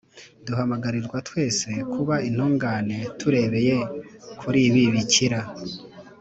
duhamagarirwa twese kuba intungane turebeye kuri bikira